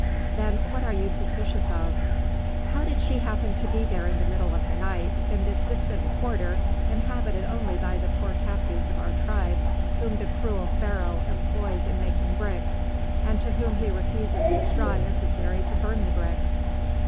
"Then what are you suspicious of?" "How did she happen to be there in the middle of the night; in this distant quarter inhabited only by the poor captives of our tribe whom the cruel Pharaoh employs in making brick, and to whom he refuses the straw necessary to burn the bricks?